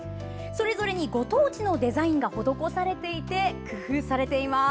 それぞれにご当地のデザインが施されていて、工夫されています。